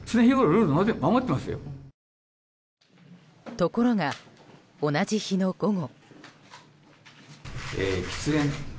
ところが、同じ日の午後。